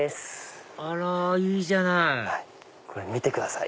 あらいいじゃないこれ見てください